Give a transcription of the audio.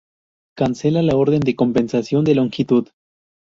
Cancela la orden de Compensación de Longitud.